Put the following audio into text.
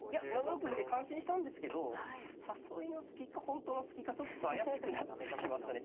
７六歩で感心したんですけど誘いの隙か本当の隙かちょっと怪しくなってきましたね。